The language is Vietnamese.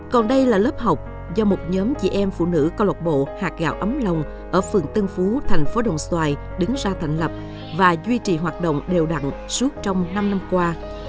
còn đây là lớp học do một nhóm chị em phụ nữ cơ lộc bộ hạt gạo ấm lòng ở phường tân phú thành phố đồng xoài đứng ra thành lập và duy trì hoạt động đều đặn suốt trong năm năm qua